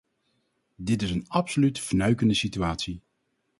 Dit is een absoluut fnuikende situatie!